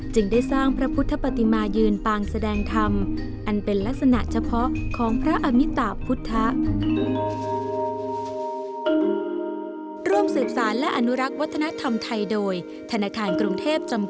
ได้สร้างพระพุทธปฏิมายืนปางแสดงธรรมอันเป็นลักษณะเฉพาะของพระอมิตาพุทธ